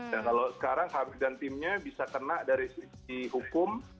dan kalau sekarang khabib dan timnya bisa kena dari sisi hukum